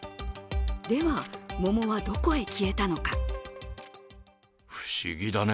では、桃はどこへ消えたのか。